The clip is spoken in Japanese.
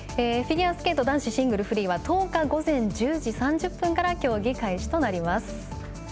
フィギュアスケート男子シングル・フリーは１０日午前１０時３０分から競技開始です。